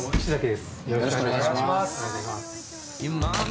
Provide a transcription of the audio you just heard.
よろしくお願いします。